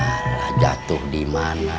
alah jatuh di mana